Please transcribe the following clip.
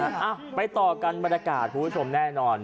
อ้าวไปต่อกันบรรกัสผู้ชมแน่นอน